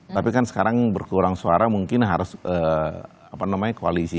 tapi kan sekarang berkurang suara mungkin harus koalisi